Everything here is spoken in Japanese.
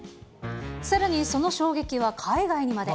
さらに、その衝撃は海外にまで。